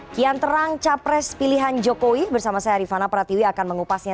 kian terang capres pilihan jokowi bersama saya rifana pratiwi akan mengupasnya